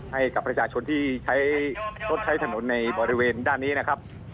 ให้กับประชาชนที่ใช้รถใช้ถนนในบริเวณด้านนี้นะครับ